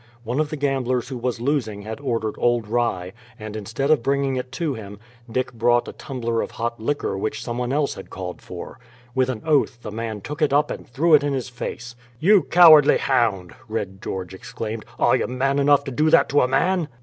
One of the gamblers who was losing had ordered old rye, and instead of bringing it to him, Dick brought a tumbler of hot liquor which someone else had called for. With an oath the man took it up and threw it in his face. "You cowardly hound!" Red George exclaimed. "Are you man enough to do that to a man?"